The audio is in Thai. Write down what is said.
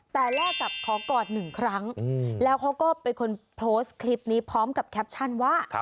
แต่แลกกับขอกอดหนึ่งครั้งแล้วเขาก็เป็นคนโพสต์คลิปนี้พร้อมกับแคปชั่นว่า